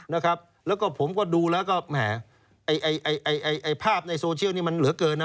แล้วก็ผมก็ดูแล้วก็แหม่ภาพในโซเชียลนี้มันเหลือเกินนะ